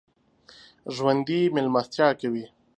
ژوندي مېلمستیا کوي